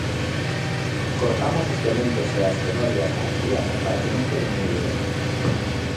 Cortamos os pementos e as cenorias á xuliana para que non queden moi grosos.